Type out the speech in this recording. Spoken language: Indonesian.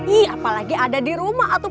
ih apalagi ada di rumah atuh